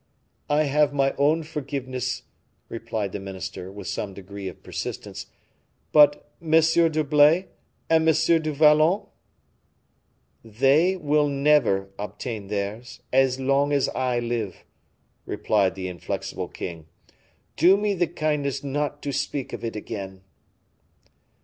"I have my own forgiveness," replied the minister, with some degree of persistence; "but M. d'Herblay, and M. du Vallon?" "They will never obtain theirs, as long as I live," replied the inflexible king. "Do me the kindness not to speak of it again."